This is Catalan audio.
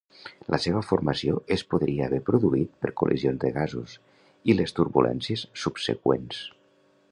La seva formació es podria haver produït per col·lisions de gasos i les turbulències subseqüents.